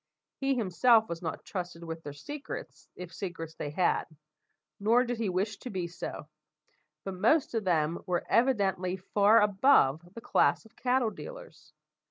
He himself was not trusted with their secrets, if secrets they had; nor did he wish to be so; but most of them were evidently far above the class of cattle dealers.